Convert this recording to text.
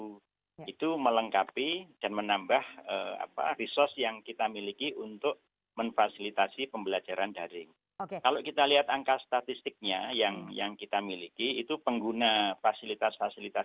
oke itu masih banyak dan juga dari perusahaan swasta kita juga bekerjasama dengan industri ya misalnya ada dari berbagai provider dan perusahaan yang memberikan layanan pendidikan ya seperti google education weeper kemudian ruangguru